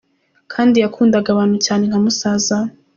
Kandi yakundaga abantu cyane nka musaza we!